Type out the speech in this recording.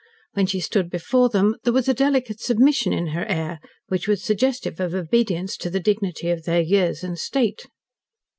When she stood before them there was a delicate submission in her air which was suggestive of obedience to the dignity of their years and state.